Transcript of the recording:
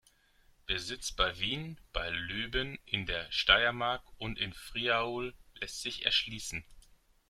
Besitz bei Wien, bei Leoben in der Steiermark und in Friaul lässt sich erschließen.